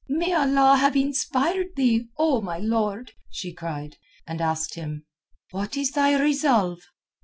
"May Allah have inspired thee, O my lord!" she cried. And asked him: "What is thy resolve?"